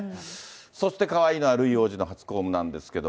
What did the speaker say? そしてかわいいのはルイ王子の初公務なんですけど。